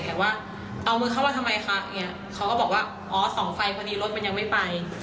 ก็ยื่นมือเข้าไปแล้วก็มีซองอย่างนี้เราก็เลยตั้งข้อสงสัย